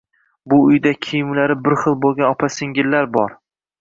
Bu uyda kiyimlari bir xil bo'lgan opa-singil bor.